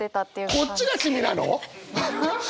こっちが君なの！？